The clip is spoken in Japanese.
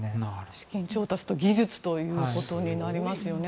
資金調達と技術ということになりますよね。